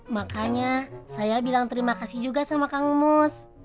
makanya saya bilang terima kasih juga sama kak manus